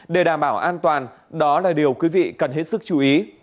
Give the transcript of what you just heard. để đảm bảo an toàn đó là điều quý vị cần hết sức chú ý